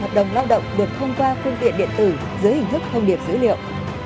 hợp đồng lao động được thông qua phương tiện điện tử dưới hình thức thông điệp dữ liệu